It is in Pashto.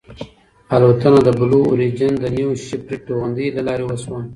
الوتنه د بلو اوریجن د نیو شیپرډ توغندي له لارې وشوه.